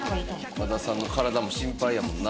和田さんの体も心配やもんな。